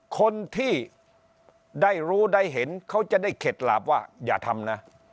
คนที่ได้รู้ได้เห็นเขาจะได้เข็ดหลาบว่าอย่าทำนะ